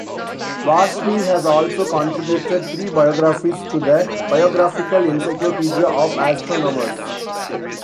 Varshni has also contributed three biographies to the "Biographical Encyclopedia of Astronomers".